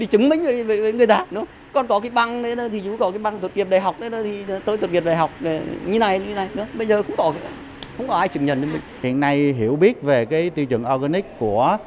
hiện nay hiểu biết về tiêu chuẩn organic